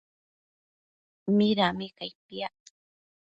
Midami cai piac?